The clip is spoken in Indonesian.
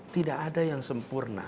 tidak ada yang sempurna